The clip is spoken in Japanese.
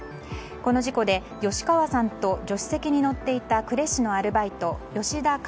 この事故で吉川さんと助手席に乗っていた呉市のアルバイト吉田翔